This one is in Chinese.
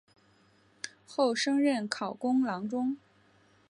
后升任考功郎中。